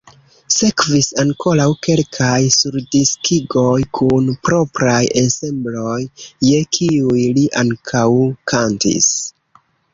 Sekvis ankoraŭ kelkaj surdiskigoj kun propraj ensembloj, je kiuj li ankaŭ kantis.